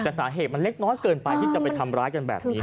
แต่สาเหตุมันเล็กน้อยเกินไปที่จะไปทำร้ายกันแบบนี้